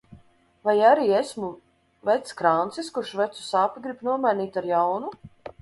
Vai arī esmu vecs krancis, kurš vecu sāpi grib nomainīt ar jaunu?